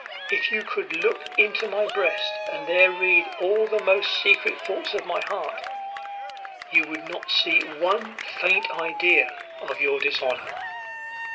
If you could look into my breast, and there read all the most secret thoughts of my heart, you would not see one faint idea to your dishonour."